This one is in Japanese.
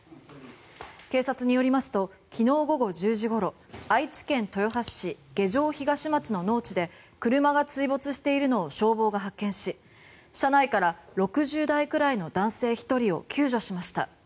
警察によりますと昨日午後１０時ごろ愛知県豊橋市下条東町の農地で車が水没しているのを消防が発見し車内から６０代くらいの男性１人を救助しました。